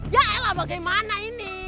ya elah bagaimana ini